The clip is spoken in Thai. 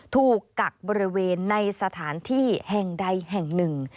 กักบริเวณในสถานที่แห่งใดแห่งหนึ่ง